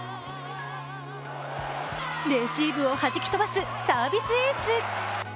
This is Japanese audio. レシーブをはじき飛ばすサービスエース。